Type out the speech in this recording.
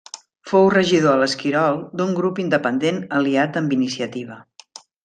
Fou regidor a l'Esquirol d'un grup independent aliat amb Iniciativa.